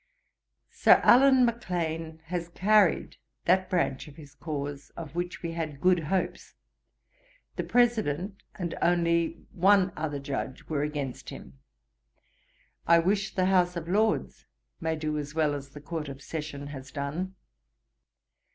'Sir Allan Maclean has carried that branch of his cause, of which we had good hopes: the President and one other Judge only were against him. I wish the House of Lords may do as well as the Court of Session has done.